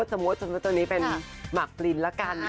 สมมุติสมมุติว่าตัวนี้เป็นหมากปรินละกัน